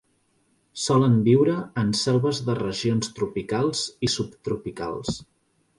Solen viure en selves de regions tropicals i subtropicals.